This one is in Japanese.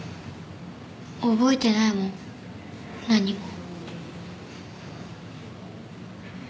覚えてないもん何も。